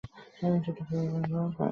আমার অনুভূতিতে তাহা যে অনাবিষ্কৃত দেশ।